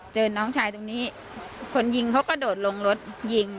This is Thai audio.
น้องชายตรงนี้คนยิงเขากระโดดลงรถยิง